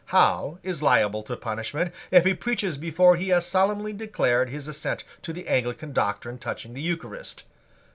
Howe is liable to punishment if he preaches before he has solemnly declared his assent to the Anglican doctrine touching the Eucharist.